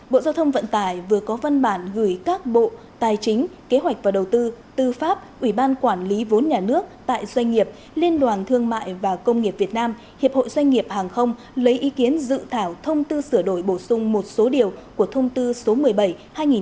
bộ giao thông vận tài vừa có văn bản gửi các bộ tài chính kế hoạch và đầu tư tư pháp ủy ban quản lý vốn nhà nước tại doanh nghiệp liên đoàn thương mại và công nghiệp việt nam hiệp hội doanh nghiệp hàng không lấy ý kiến dự thảo thông tư sửa đổi bổ sung một số điều của thông tin